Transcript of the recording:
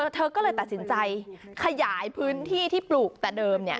เธอก็เลยตัดสินใจขยายพื้นที่ที่ปลูกแต่เดิม